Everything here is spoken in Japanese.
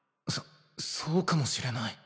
そそうかもしれない。